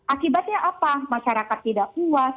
akibatnya apa masyarakat tidak puas